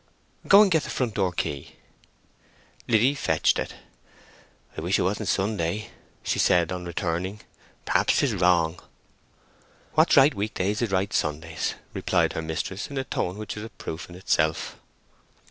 "Go and get the front door key." Liddy fetched it. "I wish it wasn't Sunday," she said, on returning. "Perhaps 'tis wrong." "What's right week days is right Sundays," replied her mistress in a tone which was a proof in itself.